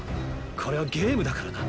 これはゲームだからな。